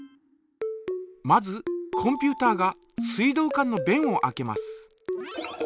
まずコンピュータが水道管のべんを開けます。